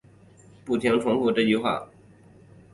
不停重复这句话